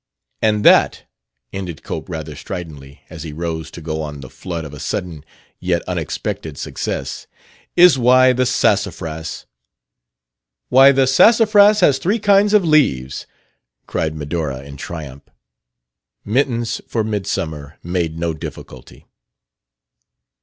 "And that," ended Cope rather stridently, as he rose to go on the flood of a sudden yet unexpected success, "is Why the Sassafras " "Why the Sassafras has Three Kinds of Leaves!" cried Medora in triumph. Mittens for midsummer made no difficulty.